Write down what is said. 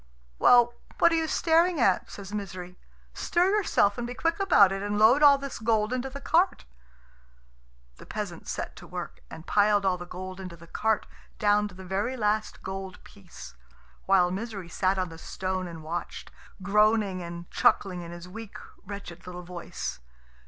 "Well, what are you staring at?" says Misery. "Stir yourself, and be quick about it, and load all this gold into the cart." The peasant set to work, and piled all the gold into the cart down to the very last gold piece; while Misery sat on the stone and watched, groaning and chuckling in his weak, wretched little voice.